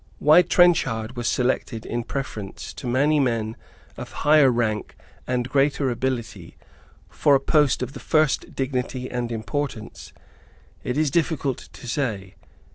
Why Trenchard was selected in preference to many men of higher rank and greater ability for a post of the first dignity and importance, it is difficult to say.